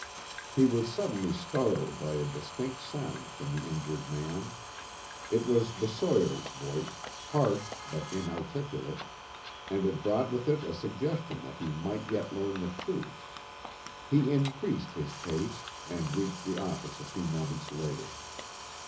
He was suddenly startled by a distinct sound from the injured man. It was the sawyer's voice, harsh but inarticulate, and it brought with it a suggestion that he might yet learn the truth. He increased his pace and reached the office a few moments later.